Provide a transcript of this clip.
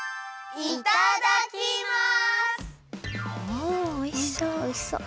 おおおいしそう。